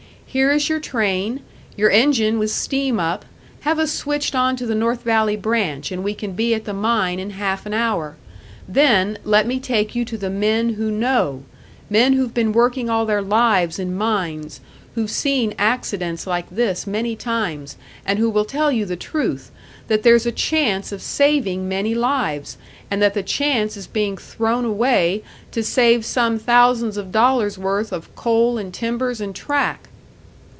Here is your train, your engine with steam up; have us switched onto the North Valley branch, and we can be at the mine in half an hour. Then let me take you to the men who know! Men who've been working all their lives in mines, who've seen accidents like this many times, and who will tell you the truth that there's a chance of saving many lives, and that the chance is being thrown away to save some thousands of dollars' worth of coal and timbers and track."